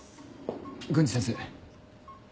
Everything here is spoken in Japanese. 郡司先生。